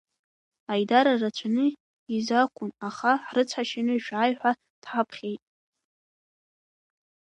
Аидара рацәаны изақәын, аха ҳрыцҳашьаны, шәааи ҳәа дҳаԥхьеит.